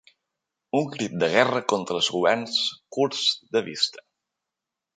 Un crit de guerra contra els governs curts de vista.